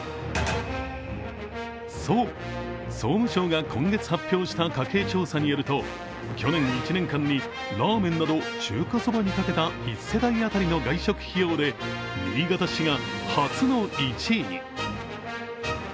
そう、総務省が今月発表した家計調査によると去年１年間にラーメンなど中華そばにかけた１世帯当たりの外食費用で新潟市が初の１位に。